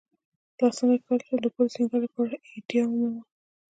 uڅنګه کولی شم د کور د سینګار لپاره آئیډیا ومومم